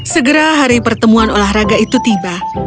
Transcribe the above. segera hari pertemuan olahraga itu tiba